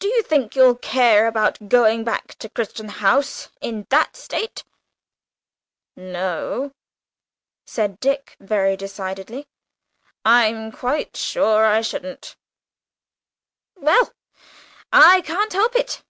Do you think you'll care about going back to Crichton House in that state?" "No," said Dick, very decidedly: "I'm quite sure I shouldn't." "Well, I can't help it.